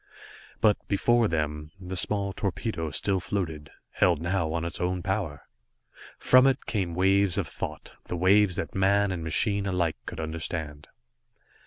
But before them, the small torpedo still floated, held now on its own power! From it came waves of thought, the waves that man and machine alike could understand.